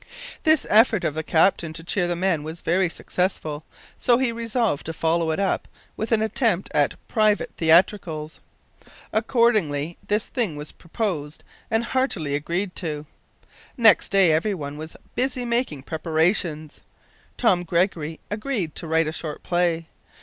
This effort of the captain to cheer the men was very successful, so he resolved to follow it up with an attempt at private theatricals. Accordingly this thing was proposed and heartily agreed to. Next day everyone was busy making preparations. Tom Gregory agreed to write a short play.